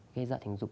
gây sợ tình dục